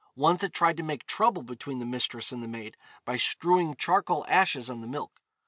Once it tried to make trouble between the mistress and the maid by strewing charcoal ashes on the milk.